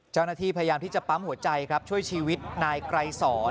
เจ้าหน้าที่พยายามที่จะปั๊มหัวใจครับช่วยชีวิตนายไกรสอน